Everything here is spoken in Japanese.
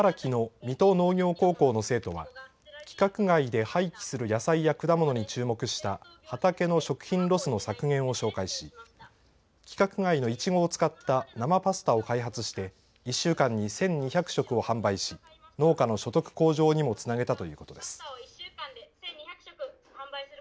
このうち茨城の水戸農業高校の生徒は規格外で廃棄する野菜や果物に注目した畑の食品ロスの削減を紹介し規格外のいちごを使った生パスタを開発して１週間に１２００食を販売し農家の所得向上にもつなげたということです。